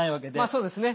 そうですね。